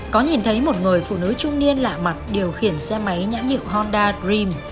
có nhìn thấy một người phụ nữ trung niên lạ mặt điều khiển xe máy nhãn hiệu honda dream